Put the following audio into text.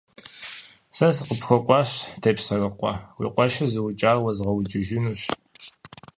Сэ сыкъыпхуэкӀуащ, Тепсэрыкъуэ, уи къуэшыр зыукӀар уэзгъэукӀыжынущ.